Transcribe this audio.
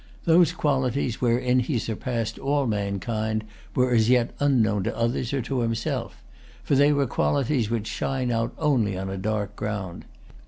Those qualities wherein he surpassed all mankind were as yet unknown to others or to himself; for they were qualities which shine out only on a dark ground.